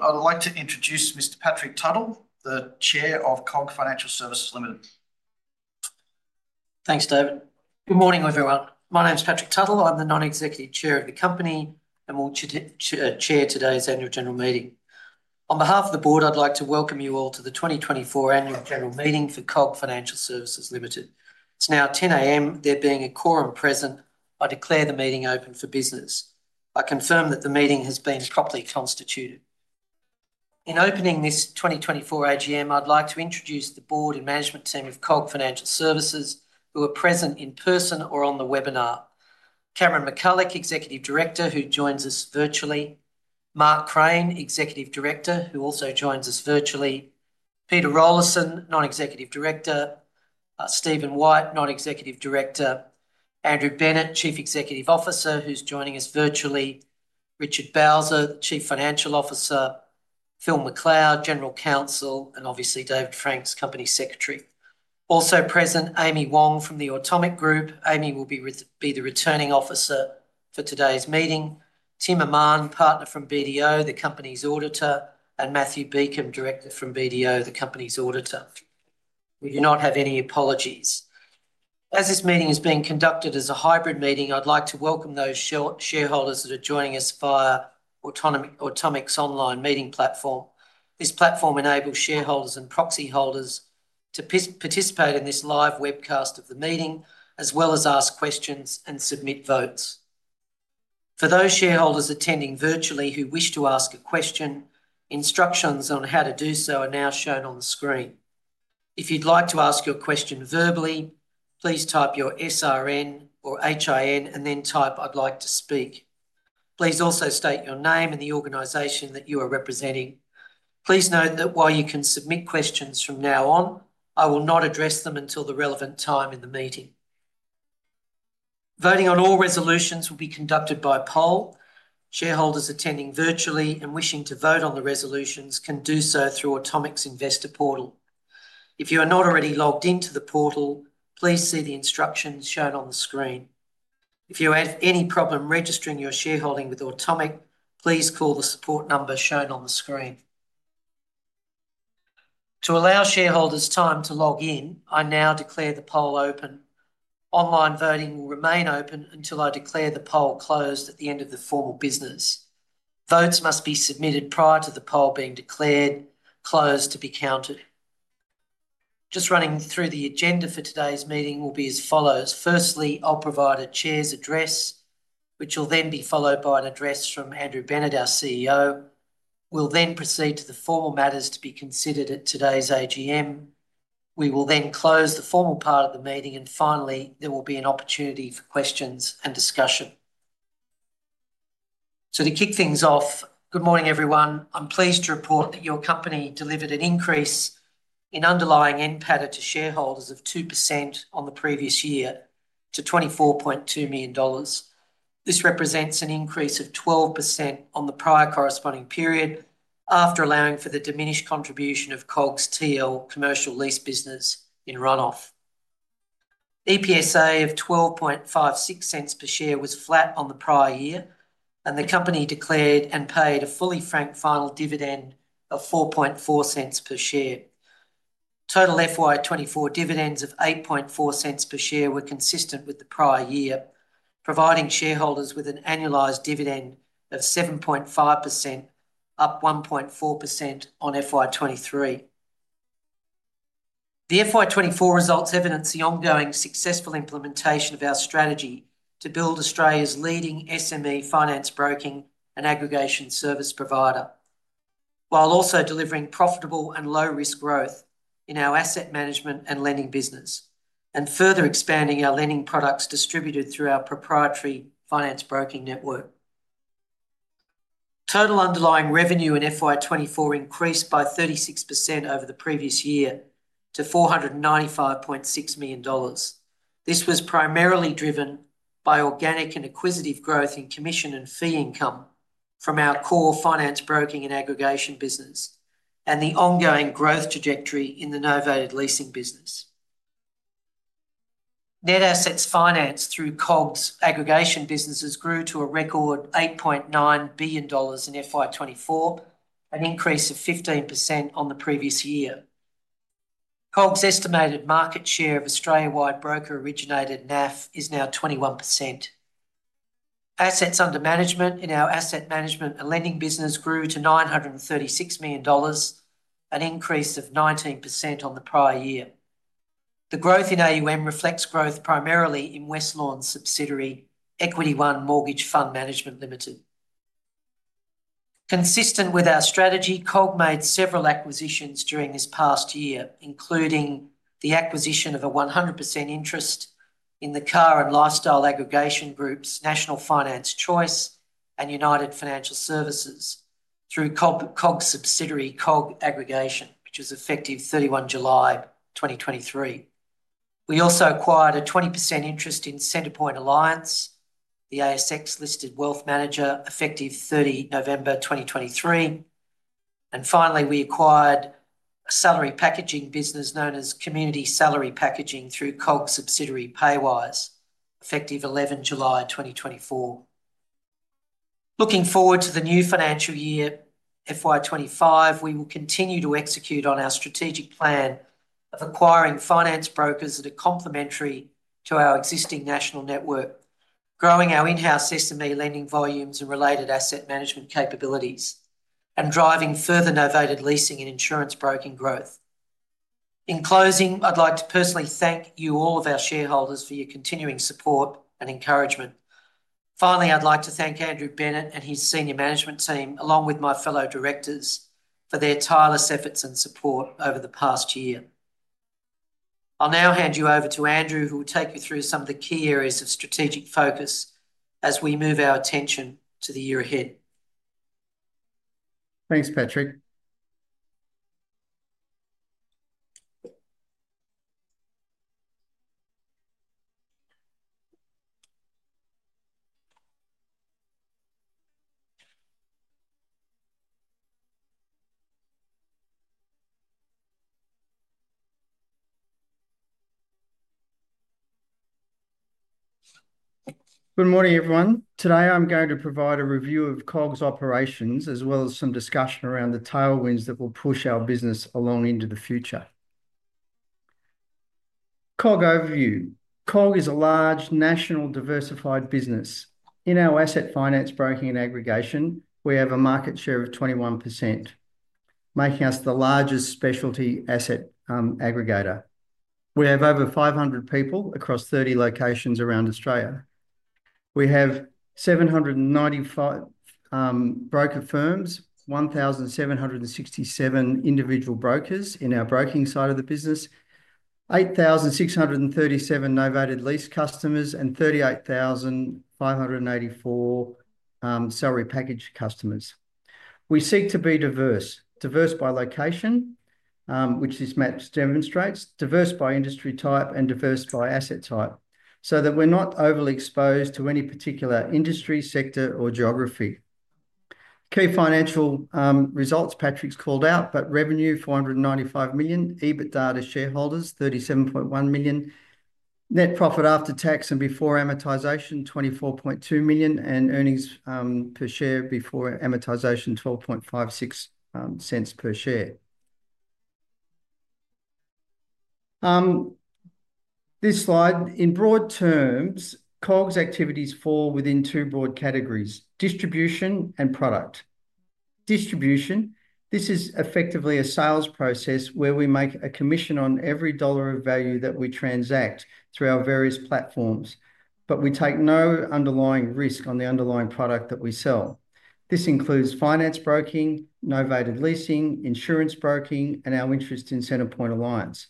I would like to introduce Mr. Patrick Tuttle, the Chair of COG Financial Services Limited. Thanks, David. Good morning, everyone. My name is Patrick Tuttle. I'm the Non-Executive Chair of the company and will chair today's annual general meeting. On behalf of the board, I'd like to welcome you all to the 2024 annual general meeting for COG Financial Services Limited. It's now 10:00 A.M. There being a quorum present, I declare the meeting open for business. I confirm that the meeting has been properly constituted. In opening this 2024 AGM, I'd like to introduce the board and management team of COG Financial Services, who are present in person or on the webinar: Cameron McCullough, Executive Director, who joins us virtually, Mark Crane, Executive Director, who also joins us virtually, Peter Rawlinson, Non-Executive Director, Stephen White, Non-Executive Director, Andrew Bennett, Chief Executive Officer, who's joining us virtually, Richard Bowser, Chief Financial Officer, Phil McLeod, General Counsel, and obviously David Franks, Company Secretary. Also present, Amy Wong from the Automic Group. Amy will be the returning officer for today's meeting. Tim Aman, partner from BDO, the company's auditor, and Matthew Beacom, director from BDO, the company's auditor. We do not have any apologies. As this meeting is being conducted as a hybrid meeting, I'd like to welcome those shareholders that are joining us via Automic's online meeting platform. This platform enables shareholders and proxy holders to participate in this live webcast of the meeting, as well as ask questions and submit votes. For those shareholders attending virtually who wish to ask a question, instructions on how to do so are now shown on the screen. If you'd like to ask your question verbally, please type your SRN or HIN and then type "I'd like to speak." Please also state your name and the organization that you are representing. Please note that while you can submit questions from now on, I will not address them until the relevant time in the meeting. Voting on all resolutions will be conducted by poll. Shareholders attending virtually and wishing to vote on the resolutions can do so through Automic's Investor Portal. If you are not already logged into the portal, please see the instructions shown on the screen. If you have any problem registering your shareholding with Automic, please call the support number shown on the screen. To allow shareholders time to log in, I now declare the poll open. Online voting will remain open until I declare the poll closed at the end of the formal business. Votes must be submitted prior to the poll being declared closed to be counted. Just running through the agenda for today's meeting will be as follows. Firstly, I'll provide a Chair's address, which will then be followed by an address from Andrew Bennett, our CEO. We'll then proceed to the formal matters to be considered at today's AGM. We will then close the formal part of the meeting, and finally, there will be an opportunity for questions and discussion. So to kick things off, good morning, everyone. I'm pleased to report that your company delivered an increase in underlying NPAT to shareholders of 2% on the previous year to 24.2 million dollars. This represents an increase of 12% on the prior corresponding period after allowing for the diminished contribution of COG's TL Commercial lease business, in run-off. EPSA of 0.1256 per share was flat on the prior year, and the company declared and paid a fully franked final dividend of 0.440 per share. Total FY 2024 dividends of 0.840 per share were consistent with the prior year, providing shareholders with an annualized dividend of 7.5%, up 1.4% on FY 2023. The FY 2024 results evidence the ongoing successful implementation of our strategy to build Australia's leading SME finance broking and aggregation service provider, while also delivering profitable and low-risk growth in our asset management and lending business, and further expanding our lending products distributed through our proprietary finance broking network. Total underlying revenue in FY 2024 increased by 36% over the previous year to 495.6 million dollars. This was primarily driven by organic and acquisitive growth in commission and fee income from our core finance broking and aggregation business and the ongoing growth trajectory in the novated leasing business. Net assets financed through COG's aggregation businesses grew to a record 8.9 billion dollars in FY 2024, an increase of 15% on the previous year. COG's estimated market share of Australia-wide broker-originated NAF is now 21%. Assets under management in our asset management and lending business grew to 936 million dollars, an increase of 19% on the prior year. The growth in AUM reflects growth primarily in Westlawn and subsidiary Equity-One Mortgage Fund Management Limited. Consistent with our strategy, COG made several acquisitions during this past year, including the acquisition of a 100% interest in the car and lifestyle aggregation group's National Finance Choice and United Financial Services through COG subsidiary COG Aggregation, which was effective 31 July 2023. We also acquired a 20% interest in Centrepoint Alliance, the ASX-listed wealth manager, effective 30 November 2023. And finally, we acquired a salary packaging business known as Community Salary Packaging through COG subsidiary Paywise, effective 11 July 2024. Looking forward to the new financial year, FY 2025, we will continue to execute on our strategic plan of acquiring finance brokers that are complementary to our existing national network, growing our in-house SME lending volumes and related asset management capabilities, and driving further novated leasing and insurance broking growth. In closing, I'd like to personally thank you, all of our shareholders, for your continuing support and encouragement. Finally, I'd like to thank Andrew Bennett and his senior management team, along with my fellow directors, for their tireless efforts and support over the past year. I'll now hand you over to Andrew, who will take you through some of the key areas of strategic focus as we move our attention to the year ahead. Thanks, Patrick. Good morning, everyone. Today, I'm going to provide a review of COG's operations, as well as some discussion around the tailwinds that will push our business along into the future. COG overview. COG is a large national diversified business. In our asset finance broking and aggregation, we have a market share of 21%, making us the largest specialty asset aggregator. We have over 500 people across 30 locations around Australia. We have 795 broker firms, 1,767 individual brokers in our broking side of the business, 8,637 novated lease customers, and 38,584 salary package customers. We seek to be diverse, diverse by location, which this map demonstrates, diverse by industry type, and diverse by asset type, so that we're not overly exposed to any particular industry, sector, or geography. Key financial results Patrick's called out, but revenue: 495 million. EBITDA to shareholders: 37.1 million. Net profit after tax and before amortization: 24.2 million. Earnings per share before amortization: 12.56 per share. This slide, in broad terms, COG's activities fall within two broad categories: distribution and product. Distribution: this is effectively a sales process where we make a commission on every dollar of value that we transact through our various platforms, but we take no underlying risk on the underlying product that we sell. This includes finance broking, novated leasing, insurance broking, and our interest in Centrepoint Alliance.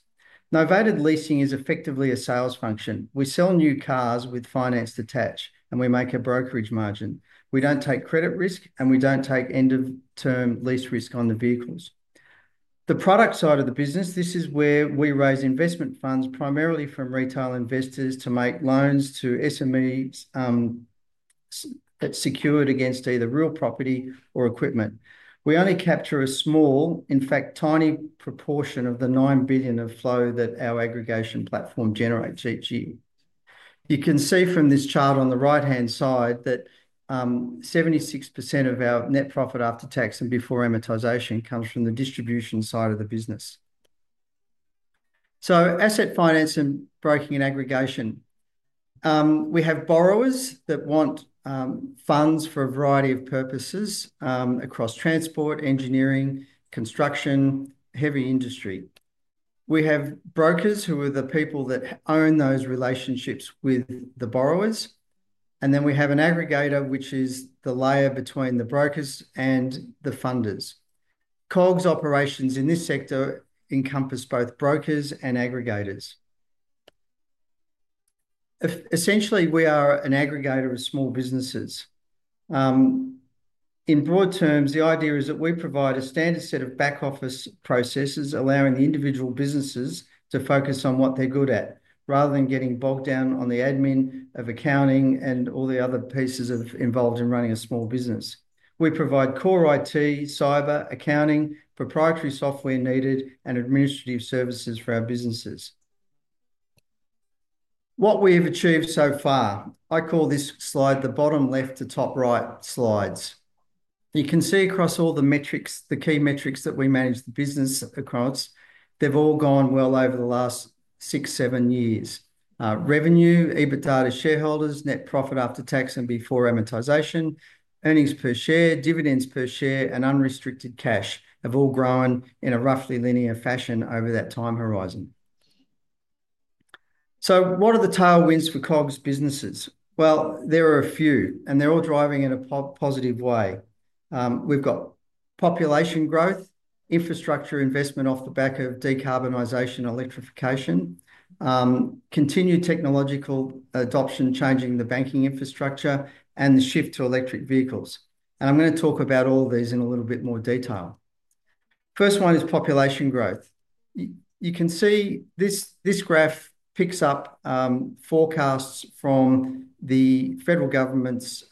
Novated leasing is effectively a sales function. We sell new cars with finance attached, and we make a brokerage margin. We don't take credit risk, and we don't take end-of-term lease risk on the vehicles. The product side of the business: this is where we raise investment funds primarily from retail investors to make loans to SMEs that are secured against either real property or equipment. We only capture a small, in fact tiny proportion of the 9 billion of flow that our aggregation platform generates each year. You can see from this chart on the right-hand side that 76% of our net profit after tax and before amortization comes from the distribution side of the business. So asset finance and broking and aggregation: we have borrowers that want funds for a variety of purposes across transport, engineering, construction, heavy industry. We have brokers who are the people that own those relationships with the borrowers. And then we have an aggregator, which is the layer between the brokers and the funders. COG's operations in this sector encompass both brokers and aggregators. Essentially, we are an aggregator of small businesses. In broad terms, the idea is that we provide a standard set of back-office processes allowing the individual businesses to focus on what they're good at, rather than getting bogged down on the admin of accounting and all the other pieces involved in running a small business. We provide core IT, cyber, accounting, proprietary software needed, and administrative services for our businesses. What we have achieved so far: I call this slide the bottom left to top right slides. You can see across all the metrics, the key metrics that we manage the business across, they've all gone well over the last six, seven years. Revenue, EBITDA to shareholders, net profit after tax and before amortization, earnings per share, dividends per share, and unrestricted cash have all grown in a roughly linear fashion over that time horizon. So what are the tailwinds for COG's businesses? There are a few, and they're all driving in a positive way. We've got population growth, infrastructure investment off the back of decarbonization and electrification, continued technological adoption, changing the banking infrastructure, and the shift to electric vehicles. And I'm going to talk about all these in a little bit more detail. First one is population growth. You can see this graph picks up forecasts from the federal government's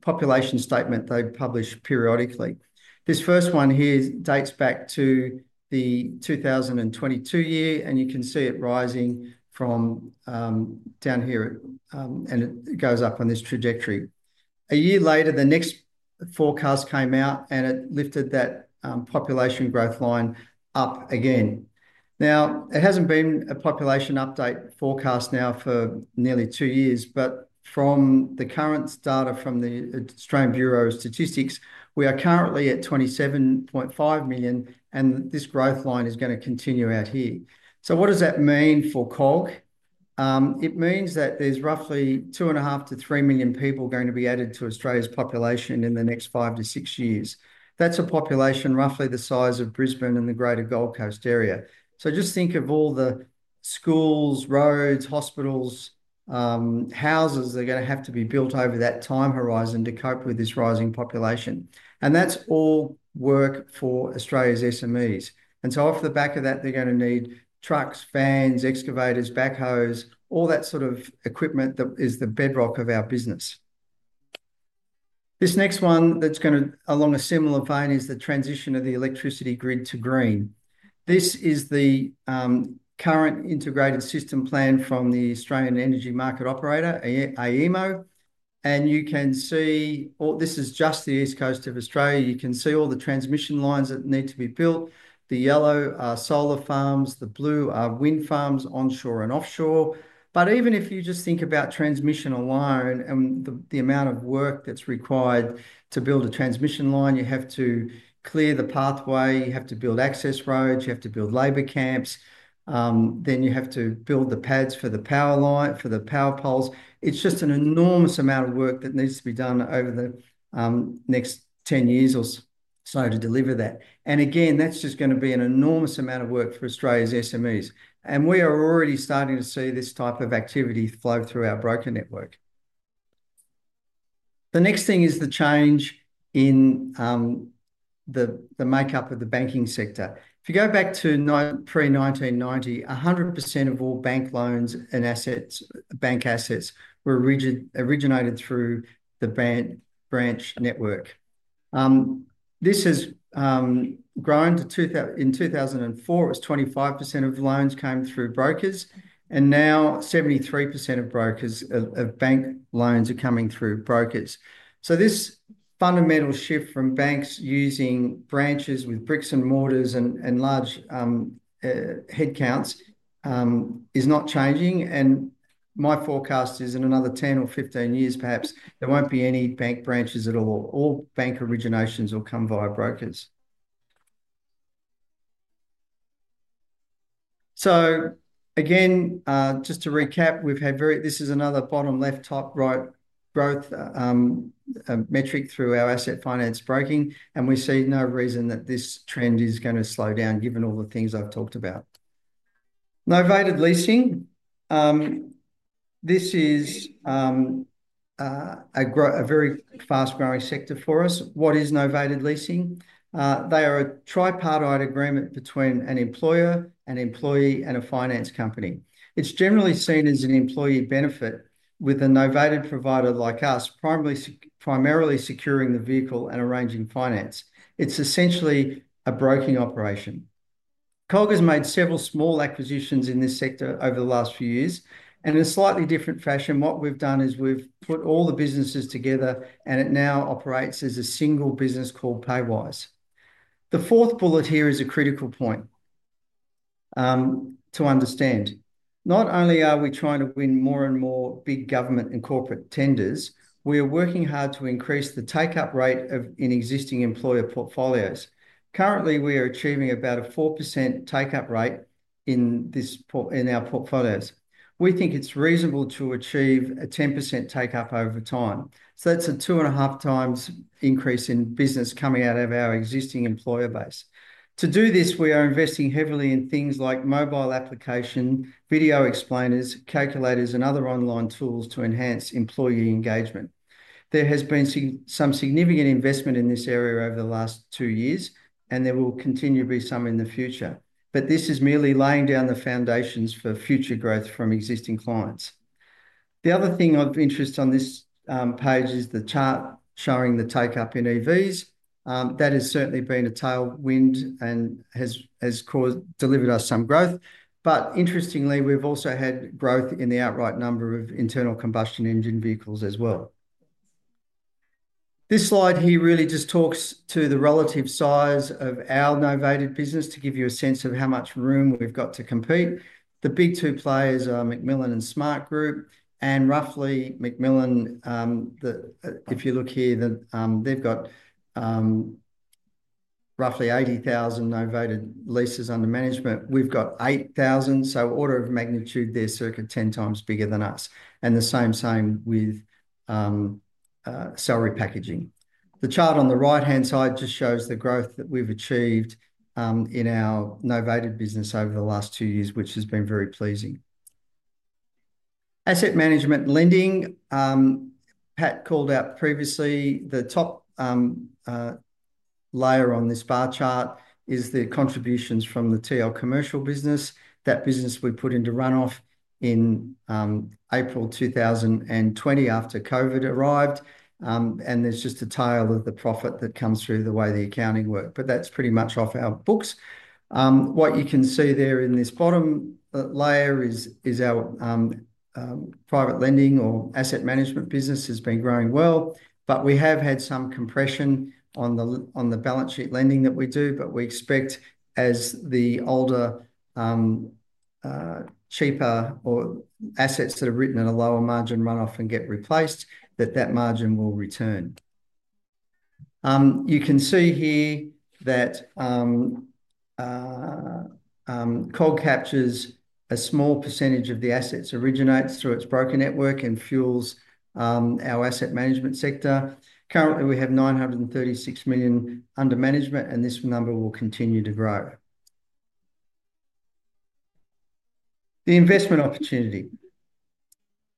population statement they publish periodically. This first one here dates back to the 2022 year, and you can see it rising from down here, and it goes up on this trajectory. A year later, the next forecast came out, and it lifted that population growth line up again. Now, it hasn't been a population update forecast now for nearly two years, but from the current data from the Australian Bureau of Statistics, we are currently at 27.5 million, and this growth line is going to continue out here. So what does that mean for COG? It means that there's roughly 2.5-3 million people going to be added to Australia's population in the next five-six years. That's a population roughly the size of Brisbane and the greater Gold Coast area. So just think of all the schools, roads, hospitals, houses that are going to have to be built over that time horizon to cope with this rising population. And that's all work for Australia's SMEs. And so off the back of that, they're going to need trucks, vans, excavators, backhoes, all that sort of equipment that is the bedrock of our business. This next one that's going to, along a similar vein, is the transition of the electricity grid to green. This is the current integrated system plan from the Australian Energy Market Operator, AEMO, and you can see this is just the East Coast of Australia. You can see all the transmission lines that need to be built. The yellow are solar farms. The blue are wind farms onshore and offshore, but even if you just think about transmission alone and the amount of work that's required to build a transmission line, you have to clear the pathway, you have to build access roads, you have to build labor camps, then you have to build the pads for the power line, for the power poles. It's just an enormous amount of work that needs to be done over the next 10 years or so to deliver that. And again, that's just going to be an enormous amount of work for Australia's SMEs. And we are already starting to see this type of activity flow through our broker network. The next thing is the change in the makeup of the banking sector. If you go back to pre-1990, 100% of all bank loans and assets, bank assets, were originated through the branch network. This has grown to, in 2004, it was 25% of loans came through brokers, and now 73% of bank loans are coming through brokers. So this fundamental shift from banks using branches with bricks and mortars and large headcounts is not changing. And my forecast is in another 10 or 15 years, perhaps, there won't be any bank branches at all. All bank originations will come via brokers. So again, just to recap, we've had very, this is another bottom left, top right growth metric through our asset finance broking, and we see no reason that this trend is going to slow down given all the things I've talked about. novated leasing, this is a very fast-growing sector for us. What is novated leasing? They are a tripartite agreement between an employer, an employee, and a finance company. It's generally seen as an employee benefit with a novated leasing provider like us primarily securing the vehicle and arranging finance. It's essentially a broking operation. COG has made several small acquisitions in this sector over the last few years. And in a slightly different fashion, what we've done is we've put all the businesses together, and it now operates as a single business called Paywise. The fourth bullet here is a critical point to understand. Not only are we trying to win more and more big government and corporate tenders, we are working hard to increase the take-up rate of existing employer portfolios. Currently, we are achieving about a 4% take-up rate in our portfolios. We think it's reasonable to achieve a 10% take-up over time. So that's a two and a half times increase in business coming out of our existing employer base. To do this, we are investing heavily in things like mobile application, video explainers, calculators, and other online tools to enhance employee engagement. There has been some significant investment in this area over the last two years, and there will continue to be some in the future. But this is merely laying down the foundations for future growth from existing clients. The other thing of interest on this page is the chart showing the take-up in EVs. That has certainly been a tailwind and has delivered us some growth. But interestingly, we've also had growth in the outright number of internal combustion engine vehicles as well. This slide here really just talks to the relative size of our novated business to give you a sense of how much room we've got to compete. The big two players are McMillan and Smartgroup. And roughly, McMillan, if you look here, they've got roughly 80,000 novated leases under management. We've got 8,000. So order of magnitude, they're circa 10 times bigger than us. And the same with salary packaging. The chart on the right-hand side just shows the growth that we've achieved in our novated business over the last two years, which has been very pleasing. Asset management lending. Pat called out previously. The top layer on this bar chart is the contributions from the TL commercial business. That business we put into run-off in April 2020 after COVID arrived, and there's just a tail of the profit that comes through the way the accounting work. But that's pretty much off our books. What you can see there in this bottom layer is our private lending or asset management business has been growing well. But we have had some compression on the balance sheet lending that we do. But we expect as the older, cheaper assets that are written at a lower margin run-off and get replaced, that that margin will return. You can see here that COG captures a small percentage of the assets originates through its broker network and fuels our asset management sector. Currently, we have 936 million under management, and this number will continue to grow. The investment opportunity.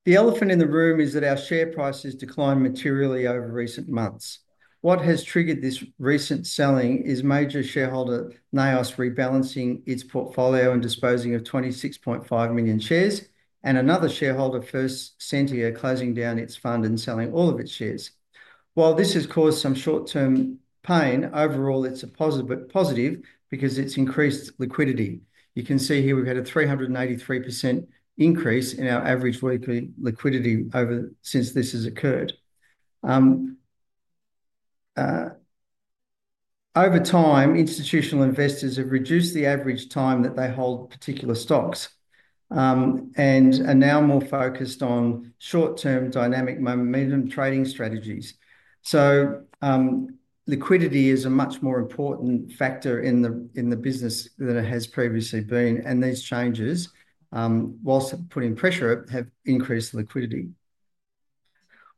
The elephant in the room is that our share prices decline materially over recent months. What has triggered this recent selling is major shareholder NAOS rebalancing its portfolio and disposing of 26.5 million shares, and another shareholder, First Sentier, closing down its fund and selling all of its shares. While this has caused some short-term pain, overall, it's a positive because it's increased liquidity. You can see here we've had a 383% increase in our average weekly liquidity since this has occurred. Over time, institutional investors have reduced the average time that they hold particular stocks and are now more focused on short-term dynamic momentum trading strategies. Liquidity is a much more important factor in the business than it has previously been. These changes, while putting pressure, have increased liquidity.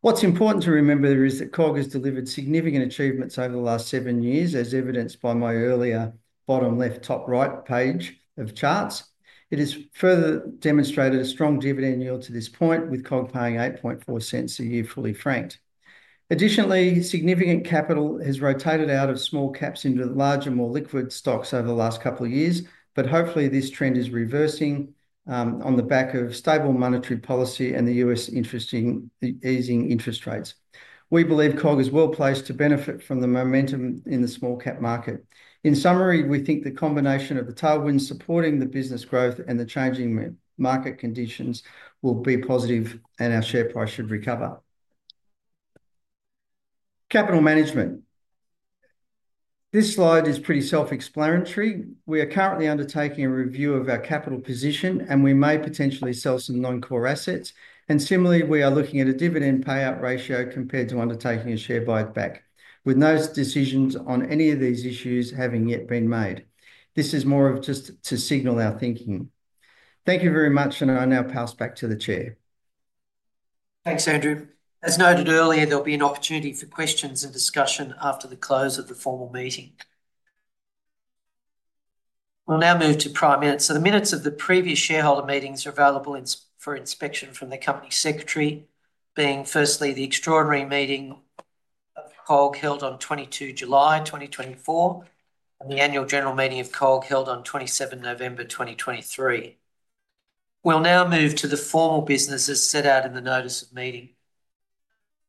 What's important to remember there is that COG has delivered significant achievements over the last seven years, as evidenced by my earlier bottom left, top right page of charts. It has further demonstrated a strong dividend yield to this point, with COG paying 0.084 a year, fully franked. Additionally, significant capital has rotated out of small caps into larger, more liquid stocks over the last couple of years. But hopefully, this trend is reversing on the back of stable monetary policy and the U.S. interest in easing interest rates. We believe COG is well placed to benefit from the momentum in the small cap market. In summary, we think the combination of the tailwinds supporting the business growth and the changing market conditions will be positive, and our share price should recover. Capital management. This slide is pretty self-explanatory. We are currently undertaking a review of our capital position, and we may potentially sell some non-core assets. Similarly, we are looking at a dividend payout ratio compared to undertaking a share buyback, with no decisions on any of these issues having yet been made. This is more of just to signal our thinking. Thank you very much, and I now pass back to the chair. Thanks, Andrew. As noted earlier, there'll be an opportunity for questions and discussion after the close of the formal meeting. We'll now move to prior minutes. So the minutes of the previous shareholder meetings are available for inspection from the company secretary, being firstly the extraordinary meeting of COG held on 22 July 2024, and the annual general meeting of COG held on 27 November 2023. We'll now move to the formal businesses set out in the notice of meeting.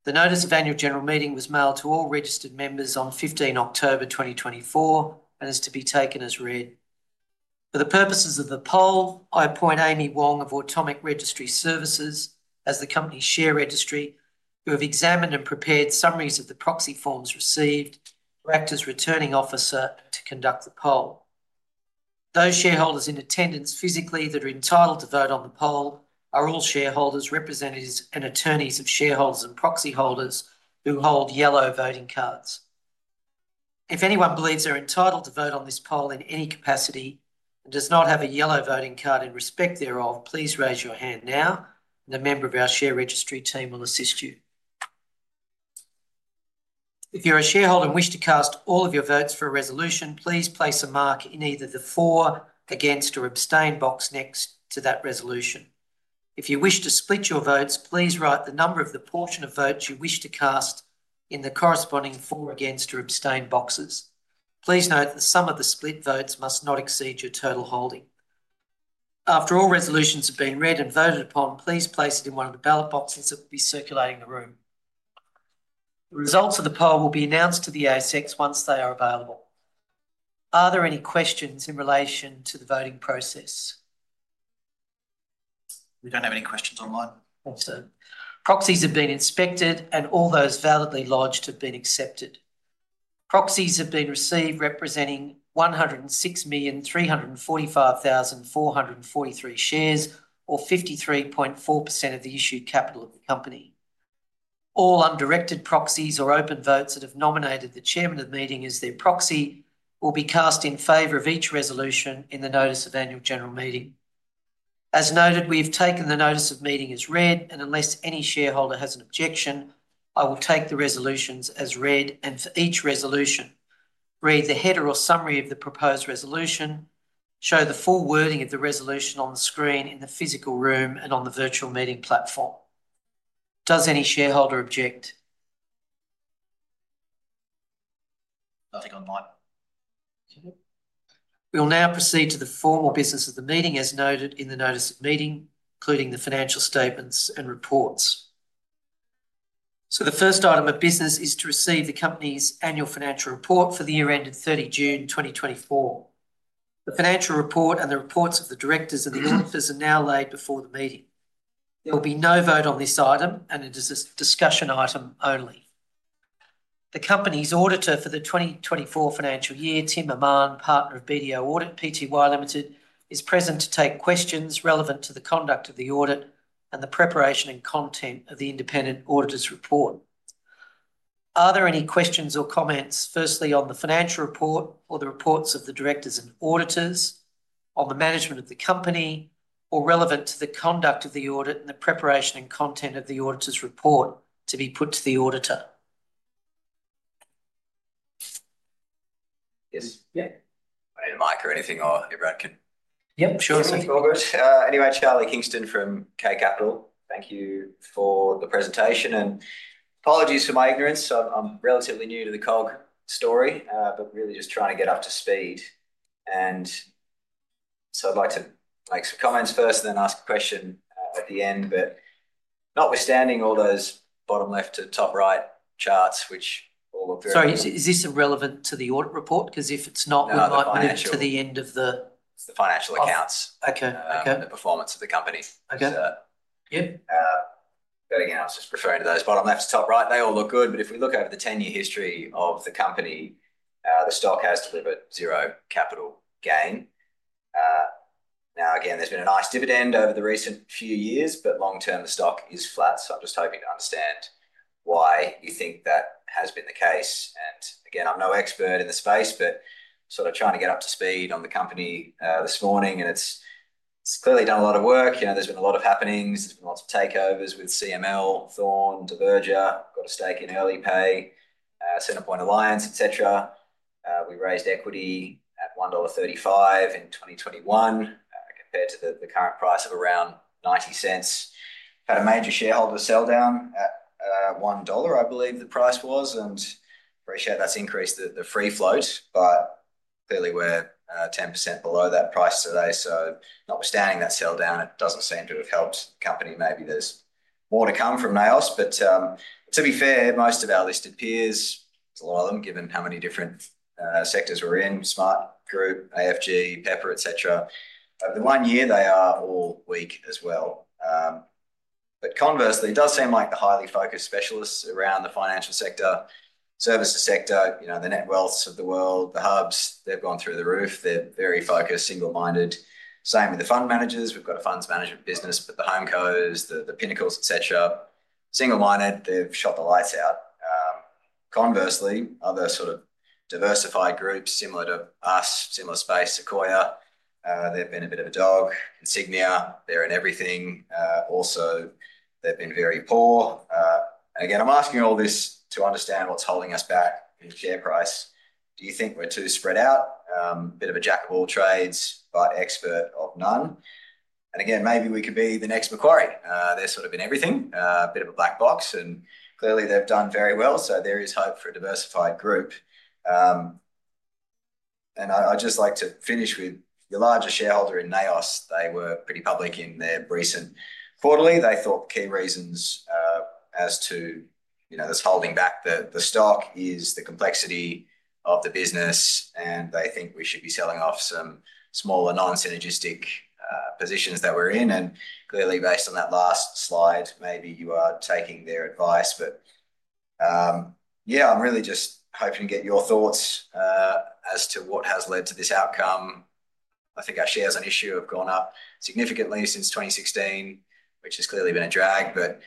The notice of annual general meeting was mailed to all registered members on 15 October 2024 and is to be taken as read. For the purposes of the poll, I appoint Amy Wong of Automic Registry Services as the company share registry who have examined and prepared summaries of the proxy forms received, to act as returning officer to conduct the poll. Those shareholders in attendance physically that are entitled to vote on the poll are all shareholders, representatives, and attorneys of shareholders and proxy holders who hold yellow voting cards. If anyone believes they're entitled to vote on this poll in any capacity and does not have a yellow voting card in respect thereof, please raise your hand now, and a member of our share registry team will assist you. If you're a shareholder and wish to cast all of your votes for a resolution, please place a mark in either the for, against, or abstain box next to that resolution. If you wish to split your votes, please write the number of the portion of votes you wish to cast in the corresponding for, against, or abstain boxes. Please note that the sum of the split votes must not exceed your total holding. After all resolutions have been read and voted upon, please place it in one of the ballot boxes that will be circulating the room. The results of the poll will be announced to the ASX once they are available. Are there any questions in relation to the voting process? We don't have any questions online. Proxies have been inspected, and all those validly lodged have been accepted. Proxies have been received representing 106,345,443 shares, or 53.4% of the issued capital of the company. All undirected proxies or open votes that have nominated the chairman of the meeting as their proxy will be cast in favor of each resolution in the notice of annual general meeting. As noted, we have taken the notice of meeting as read, and unless any shareholder has an objection, I will take the resolutions as read and for each resolution, read the header or summary of the proposed resolution, show the full wording of the resolution on the screen in the physical room and on the virtual meeting platform. Does any shareholder object? Nothing online. We'll now proceed to the formal business of the meeting as noted in the notice of meeting, including the financial statements and reports. So the first item of business is to receive the company's annual financial report for the year ended 30 June 2024. The financial report and the reports of the directors and the auditors are now laid before the meeting. There will be no vote on this item, and it is a discussion item only. The company's auditor for the 2024 financial year, Tim Aman, partner of BDO Audit Pty Limited, is present to take questions relevant to the conduct of the audit and the preparation and content of the independent auditor's report. Are there any questions or comments, firstly on the financial report or the reports of the directors and auditors, on the management of the company, or relevant to the conduct of the audit and the preparation and content of the auditor's report to be put to the auditor? Yes. Yeah. Any mic or anything or everyone can? Yep. Sure. Thank you, Margaret. Anyway, Charlie Kingston from K Capital. Thank you for the presentation. And apologies for my ignorance. I'm relatively new to the COG story, but really just trying to get up to speed. And so I'd like to make some comments first and then ask a question at the end. But notwithstanding all those bottom left to top right charts, which all look very good. Sorry, is this relevant to the audit report? Because if it's not, we might move to the end of the financial accounts. It's the financial accounts. Okay. Okay. And the performance of the company. Okay. Yeah. But again, I was just referring to those bottom left to top right. They all look good. But if we look over the 10-year history of the company, the stock has delivered zero capital gain. Now, again, there's been a nice dividend over the recent few years, but long-term, the stock is flat. So I'm just hoping to understand why you think that has been the case. And again, I'm no expert in the space, but sort of trying to get up to speed on the company this morning. And it's clearly done a lot of work. There's been a lot of happenings. There's been lots of takeovers with CML, Thorn, Diverger, got a stake in Earlypay, Centrepoint Alliance, etc. We raised equity at 1.35 dollar in 2021 compared to the current price of around 0.90. Had a major shareholder sell down at 1 dollar, I believe the price was. And I appreciate that's increased the free float, but clearly we're 10% below that price today. So notwithstanding that sell down, it doesn't seem to have helped the company. Maybe there's more to come from NAOS. But to be fair, most of our listed peers, there's a lot of them, given how many different sectors we're in, Smartgroup, AFG, Pepper, etc. Over the one year, they are all weak as well. But conversely, it does seem like the highly focused specialists around the financial sector, services sector, the Netwealths of the world, the HUBs, they've gone through the roof. They're very focused, single-minded. Same with the fund managers. We've got a funds management business, but the HomeCos, the Pinnacles, etc. Single-minded, they've shot the lights out. Conversely, other sort of diversified groups, similar to us, similar space, Sequoia, they've been a bit of a dog. Insignia, they're in everything. Also, they've been very poor. And again, I'm asking all this to understand what's holding us back in share price. Do you think we're too spread out? Bit of a jack of all trades, but expert of none. And again, maybe we could be the next Macquarie. They're sort of in everything, a bit of a black box. And clearly, they've done very well. So there is hope for a diversified group. And I'd just like to finish with the larger shareholder in NAOS. They were pretty public in their recent quarterly. They thought the key reasons as to this holding back the stock is the complexity of the business. And they think we should be selling off some smaller non-synergistic positions that we're in. And clearly, based on that last slide, maybe you are taking their advice. But yeah, I'm really just hoping to get your thoughts as to what has led to this outcome. I think our shares on issue have gone up significantly since 2016, which has clearly been a drag. But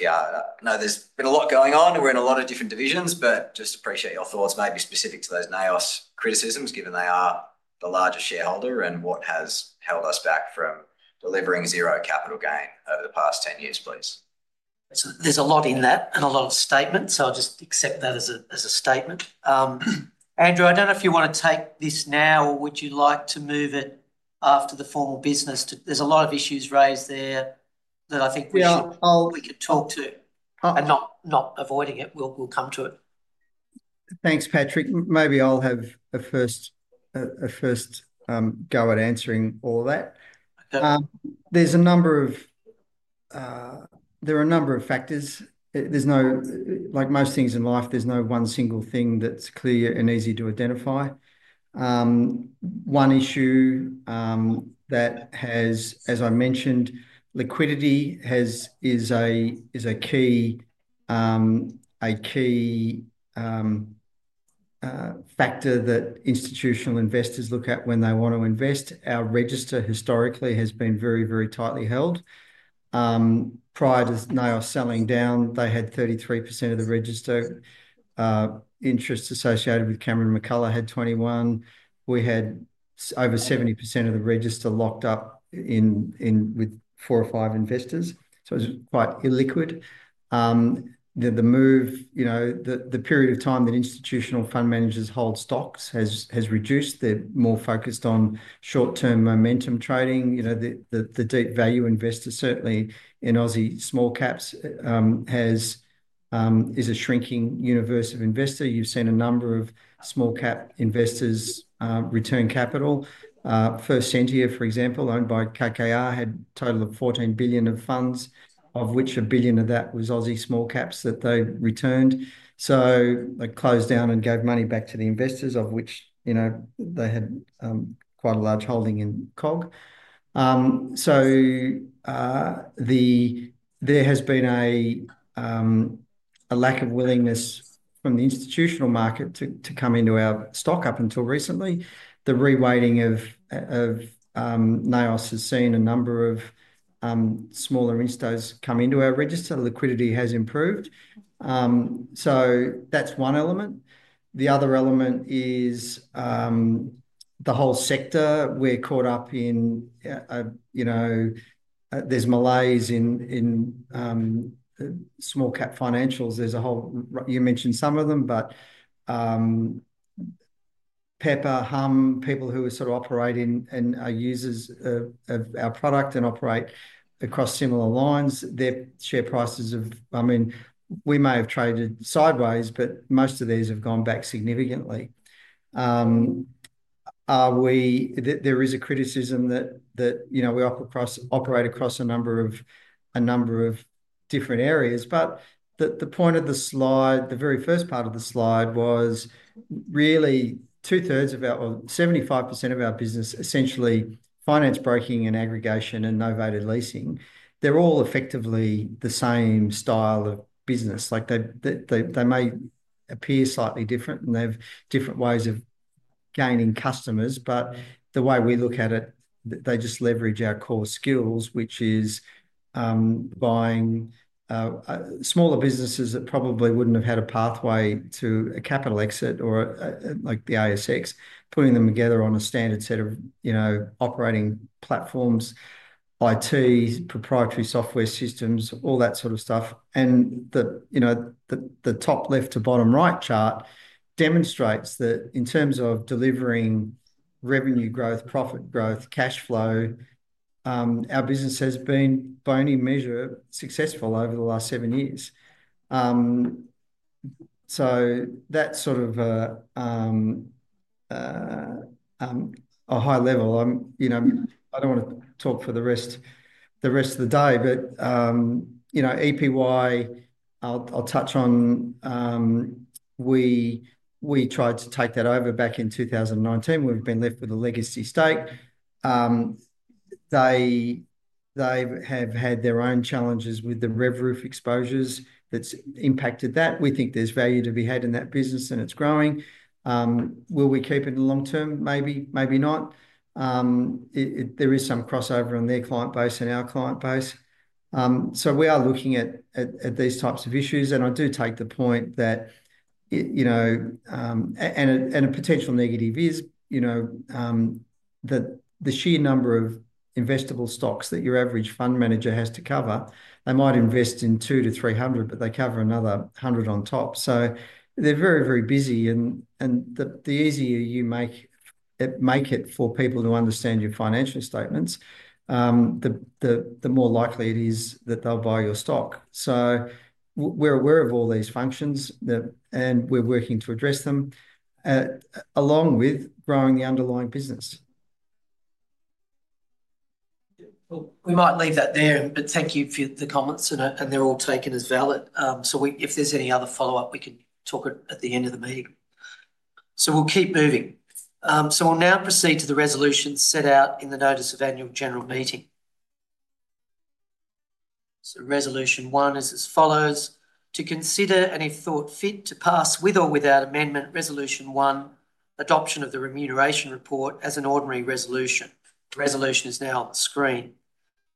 yeah, no, there's been a lot going on. We're in a lot of different divisions, but just appreciate your thoughts, maybe specific to those NAOS criticisms, given they are the larger shareholder and what has held us back from delivering zero capital gain over the past 10 years, please. There's a lot in that and a lot of statements. So I'll just accept that as a statement. Andrew, I don't know if you want to take this now, or would you like to move it after the formal business? There's a lot of issues raised there that I think we should talk to. And not avoiding it, we'll come to it. Thanks, Patrick. Maybe I'll have a first go at answering all of that. There's a number of factors. There's no, like most things in life, there's no one single thing that's clear and easy to identify. One issue that has, as I mentioned, liquidity is a key factor that institutional investors look at when they want to invest. Our register historically has been very, very tightly held. Prior to NAOS selling down, they had 33% of the register. Interest associated with Cameron McCullough had 21%. We had over 70% of the register locked up with four or five investors. So it was quite illiquid. The move, the period of time that institutional fund managers hold stocks has reduced. They're more focused on short-term momentum trading. The deep value investor, certainly in Aussie small caps, is a shrinking universe of investor. You've seen a number of small cap investors return capital. First Sentier, for example, owned by KKR, had a total of 14 billion of funds, of which a billion of that was Aussie small caps that they returned. So they closed down and gave money back to the investors, of which they had quite a large holding in COG. So there has been a lack of willingness from the institutional market to come into our stock up until recently. The reweighting of NAOS has seen a number of smaller instos come into our register. Liquidity has improved. So that's one element. The other element is the whole sector. We're caught up in there's malaise in small cap financials. There's a whole you mentioned some of them, but Pepper, Humm, people who are sort of operating and are users of our product and operate across similar lines, their share prices have, I mean, we may have traded sideways, but most of these have gone back significantly. There is a criticism that we operate across a number of different areas. But the point of the slide, the very first part of the slide was really two-thirds of our or 75% of our business, essentially finance broking and aggregation and novated leasing. They're all effectively the same style of business. They may appear slightly different, and they have different ways of gaining customers. But the way we look at it, they just leverage our core skills, which is buying smaller businesses that probably wouldn't have had a pathway to a capital exit or like the ASX, putting them together on a standard set of operating platforms, IT, proprietary software systems, all that sort of stuff. And the top left to bottom right chart demonstrates that in terms of delivering revenue growth, profit growth, cash flow, our business has been by any measure successful over the last seven years. So that's sort of a high level. I don't want to talk for the rest of the day, but EPY, I'll touch on. We tried to take that over back in 2019. We've been left with a legacy stake. They have had their own challenges with the RevRoof exposures that's impacted that. We think there's value to be had in that business, and it's growing. Will we keep it in the long term? Maybe. Maybe not. There is some crossover on their client base and our client base. So we are looking at these types of issues. And I do take the point that a potential negative is that the sheer number of investable stocks that your average fund manager has to cover, they might invest in two-three hundred, but they cover another hundred on top. So they're very, very busy. And the easier you make it for people to understand your financial statements, the more likely it is that they'll buy your stock. So we're aware of all these functions, and we're working to address them along with growing the underlying business. We might leave that there, but thank you for the comments, and they're all taken as valid. So if there's any other follow-up, we can talk at the end of the meeting. So we'll keep moving. So we'll now proceed to the resolutions set out in the notice of annual general meeting. So Resolution 1 is as follows: to consider and, if thought fit, to pass with or without amendment, Resolution 1, adoption of the remuneration report as an ordinary resolution. The resolution is now on the screen.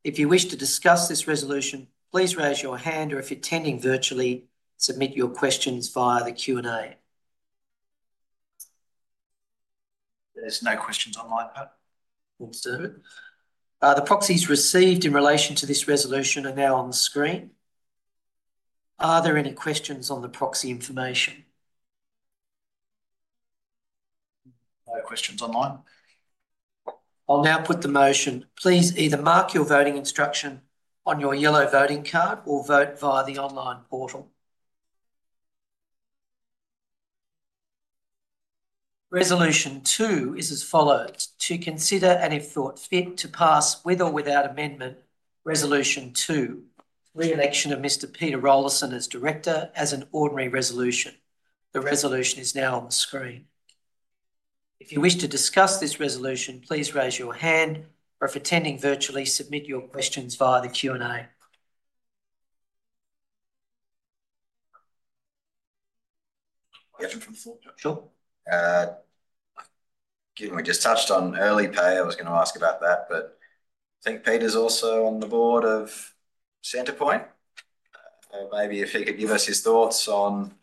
If you wish to discuss this resolution, please raise your hand, or if you're attending virtually, submit your questions via the Q&A. There's no questions online, Pat. Let's do it. The proxies received in relation to this resolution are now on the screen. Are there any questions on the proxy information? No questions online. I'll now put the motion. Please either mark your voting instruction on your yellow voting card or vote via the online portal. Resolution 2 is as follows: to consider any thought fit to pass with or without amendment, Resolution 2, re-election of Mr. Peter Rawlinson as director as an ordinary resolution. The resolution is now on the screen. If you wish to discuss this resolution, please raise your hand, or if attending virtually, submit your questions via the Q&A. Sure. Given we just touched on Earlypay, I was going to ask about that, but I think Peter's also on the board of Centrepoint. Maybe if he could give us his thoughts on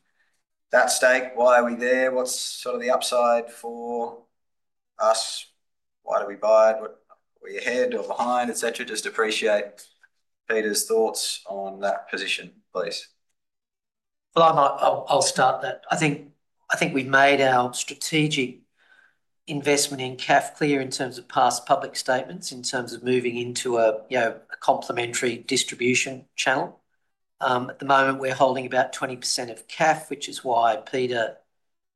that stake, why are we there? What's sort of the upside for us? Why do we buy it? Are we ahead or behind, etc.? Just appreciate Peter's thoughts on that position, please. Well, I'll start that. I think we've made our strategic investment in CAF clear in terms of past public statements, in terms of moving into a complementary distribution channel. At the moment, we're holding about 20% of CAF, which is why Peter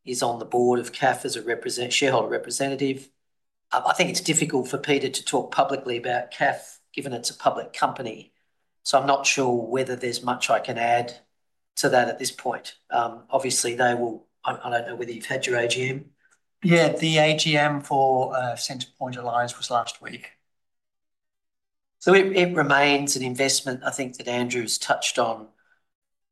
is on the board of CAF as a shareholder representative. I think it's difficult for Peter to talk publicly about CAF, given it's a public company. So I'm not sure whether there's much I can add to that at this point. Obviously, they will. I don't know whether you've had your AGM. Yeah, the AGM for Centrepoint Alliance was last week. So it remains an investment, I think, that Andrew's touched on,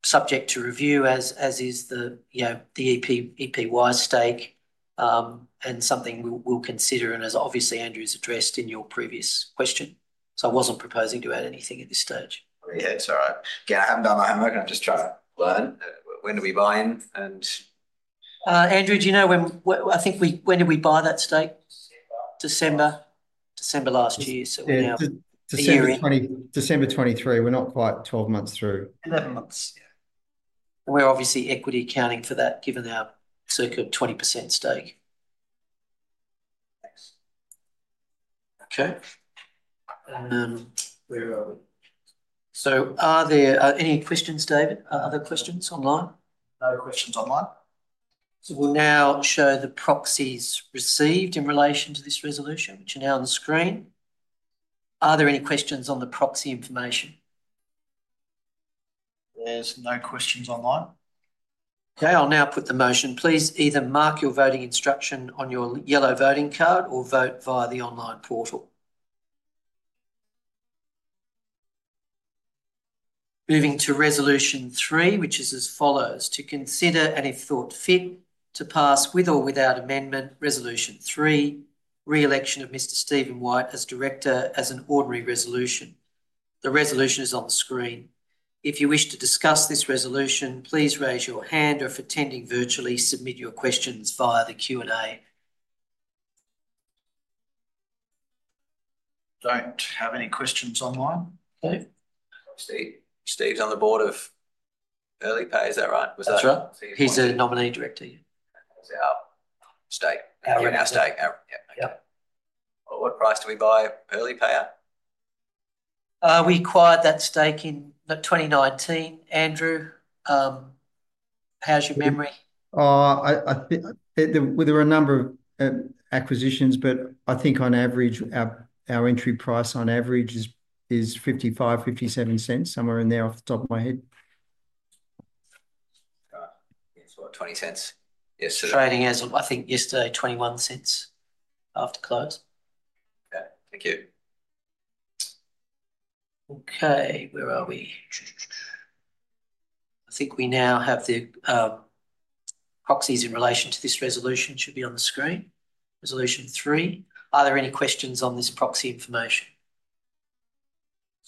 subject to review, as is the EPY stake, and something we'll consider. As obviously Andrew's addressed in your previous question, so I wasn't proposing to add anything at this stage. Yeah, it's all right. Again, I haven't done my homework. I'm just trying to learn. When do we buy in? And Andrew, do you know when I think we, when did we buy that stake? December. December. December last year. So we're now a year in. December 2023. We're not quite 12 months through. 11 months. Yeah. And we're obviously equity accounting for that, given our significant 20% stake. Thanks. Okay. So are there any questions, David? Other questions online? No questions online. So we'll now show the proxies received in relation to this resolution, which are now on the screen. Are there any questions on the proxy information? There's no questions online. Okay. I'll now put the motion. Please either mark your voting instruction on your yellow voting card or vote via the online portal. Moving to Resolution 3, which is as follows: to consider any thought fit to pass with or without amendment, Resolution 3, re-election of Mr. Stephen White as director as an ordinary resolution. The resolution is on the screen. If you wish to discuss this resolution, please raise your hand, or if attending virtually, submit your questions via the Q&A. Don't have any questions online? Steve's on the board of Earlypay, is that right? That's right. He's a nominee director, yeah. That's our stake. Our stake. Yeah. What price do we buy Earlypay out? We acquired that stake in 2019. Andrew, how's your memory? There were a number of acquisitions, but I think on average, our entry price on average is 0.55-0.57 cents, somewhere in there off the top of my head. It's what, AUD 0.20? Trading as, I think, yesterday, 0.21 after close. Okay. Thank you. Okay. Where are we? I think we now have the proxies in relation to this resolution. It should be on the screen. Resolution 3. Are there any questions on this proxy information?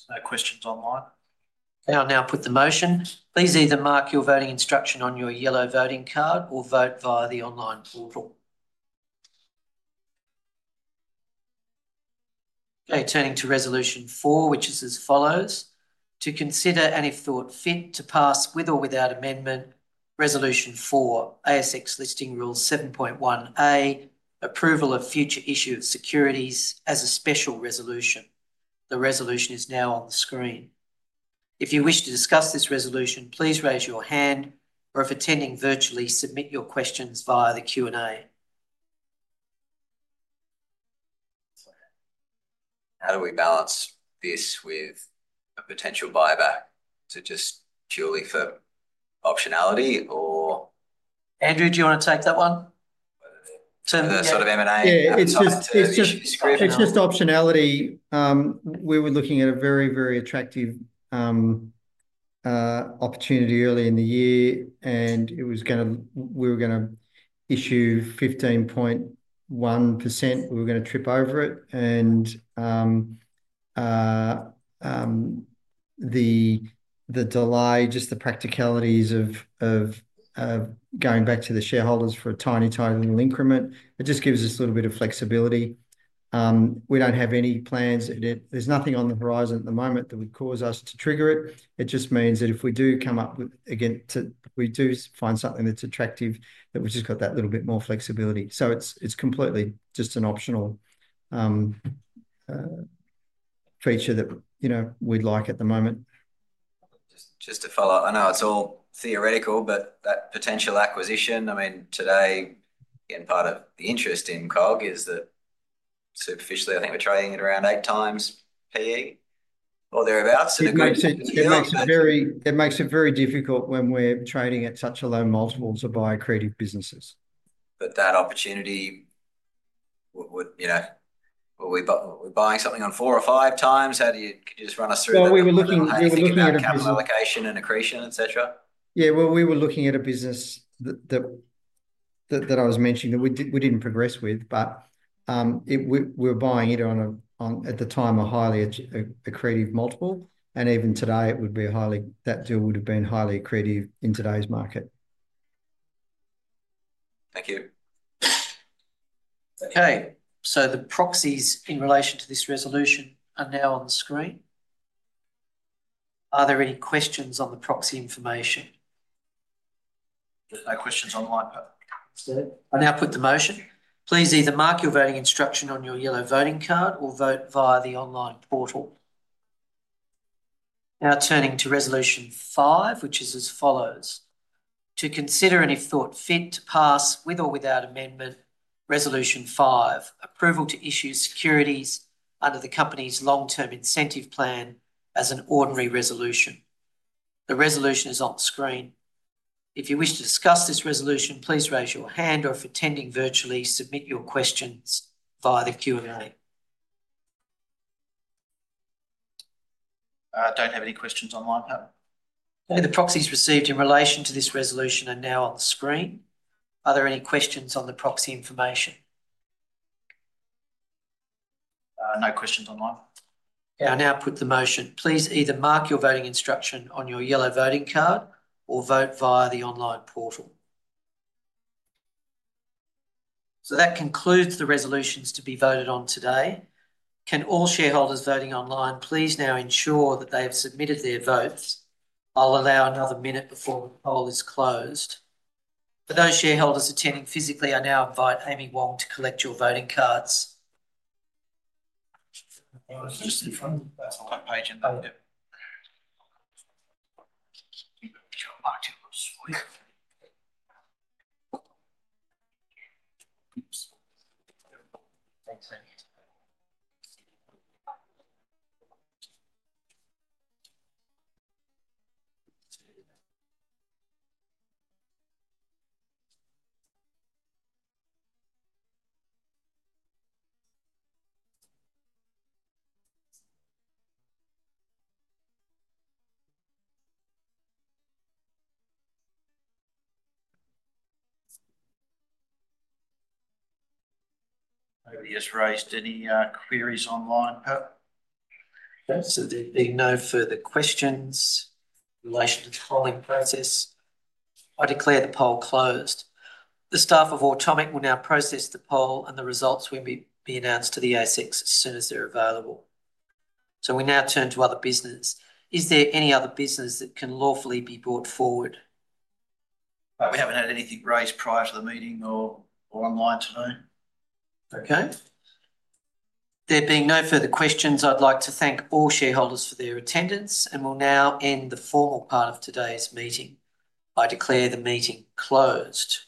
There's no questions online. Okay. I'll now put the motion. Please either mark your voting instruction on your yellow voting card or vote via the online portal. Okay. Turning to Resolution 4, which is as follows: to consider any thought fit to pass with or without amendment, Resolution 4, ASX Listing Rules 7.1A, approval of future issue of securities as a special resolution. The resolution is now on the screen. If you wish to discuss this resolution, please raise your hand, or if attending virtually, submit your questions via the Q&A. How do we balance this with a potential buyback to just purely for optionality, or? Andrew, do you want to take that one? The sort of M&A? Yeah. It's just optionality. We were looking at a very, very attractive opportunity early in the year, and we were going to issue 15.1%. We were going to trip over it. And the delay, just the practicalities of going back to the shareholders for a tiny, tiny little increment, it just gives us a little bit of flexibility. We don't have any plans. There's nothing on the horizon at the moment that would cause us to trigger it. It just means that if we do come up with, we do find something that's attractive, that we've just got that little bit more flexibility. So it's completely just an optional feature that we'd like at the moment. Just to follow up, I know it's all theoretical, but that potential acquisition, I mean, today, again, part of the interest in COG is that superficially, I think we're trading at around eight times PE or thereabouts. It makes it very difficult when we're trading at such low multiples of our accretive businesses. But that opportunity, were we buying something on four or five times? Could you just run us through that? Well, we were looking at a business acquisition and accretion, etc. Yeah. Well, we were looking at a business that I was mentioning that we didn't progress with, but we were buying it at the time a highly accretive multiple. And even today, that deal would have been highly accretive in today's market. Thank you. Okay. So the proxies in relation to this resolution are now on the screen. Are there any questions on the proxy information? There's no questions online, Pat. I'll now put the motion. Please either mark your voting instruction on your yellow voting card or vote via the online portal. Now turning to Resolution 5, which is as follows: to consider and, if thought fit, to pass with or without amendment, Resolution 5, approval to issue securities under the company's long-term incentive plan as an ordinary resolution. The resolution is on the screen. If you wish to discuss this resolution, please raise your hand, or if attending virtually, submit your questions via the Q&A. I don't have any questions online, Pat. Okay. The proxies received in relation to this resolution are now on the screen. Are there any questions on the proxy information? No questions online. Okay. I'll now put the motion. Please either mark your voting instruction on your yellow voting card or vote via the online portal. So that concludes the resolutions to be voted on today. Can all shareholders voting online, please now ensure that they have submitted their votes. I'll allow another minute before the poll is closed. For those shareholders attending physically, I now invite Amy Wong to collect your voting cards. Nobody has raised any queries online, Pat. Okay. So there'd be no further questions in relation to the polling process. I declare the poll closed. The staff of Automic will now process the poll, and the results will be announced to the ASX as soon as they're available. So we now turn to other business. Is there any other business that can lawfully be brought forward? We haven't had anything raised prior to the meeting or online today. Okay. There being no further questions, I'd like to thank all shareholders for their attendance, and we'll now end the formal part of today's meeting. I declare the meeting closed.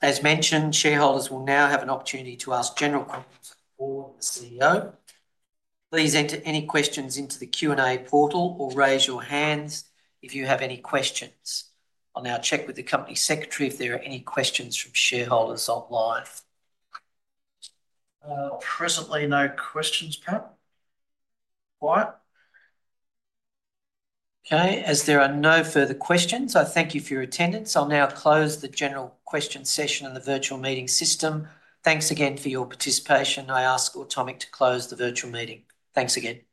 As mentioned, shareholders will now have an opportunity to ask general questions for the CEO. Please enter any questions into the Q&A portal or raise your hands if you have any questions. I'll now check with the company secretary if there are any questions from shareholders online. Presently, no questions, Pat. Okay. As there are no further questions, I thank you for your attendance. I'll now close the general question session in the virtual meeting system. Thanks again for your participation. I ask Automic to close the virtual meeting. Thanks again.